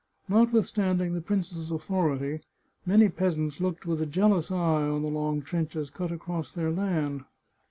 Notwithstanding the prince's authority, many peasants looked with a jealous eye on the long trenches cut across their land.